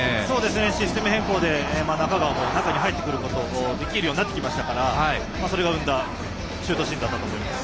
システム変更で中に入ってくることができるようになりましたからそれが生んだシュートシーンだったと思います。